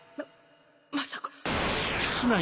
まさか。